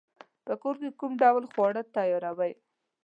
په کور کی کوم ډول خواړه تیاروئ؟